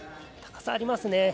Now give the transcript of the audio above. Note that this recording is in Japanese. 高さありますね。